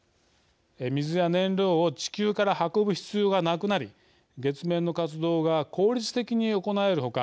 水や燃料を地球から運ぶ必要がなくなり月面の活動が効率的に行える他